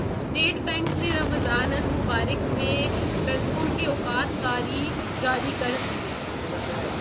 state Bank نے رمضان المبارک میں بینکوں کے اوقات کار جاری کردیے